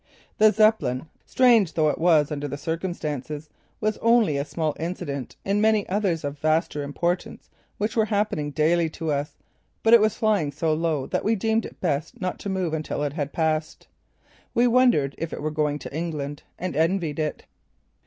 The Zeppelin, strange though it was under the circumstances, was only a small incident in many others of vaster importance which were happening daily to us but it was flying so low that we deemed it best not to move until it had passed. We wondered if it were going to England, and envied it.